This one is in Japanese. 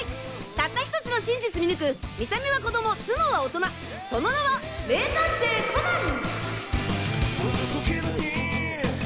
たった１つの真実見抜く見た目は子供頭脳は大人その名は名探偵コナン！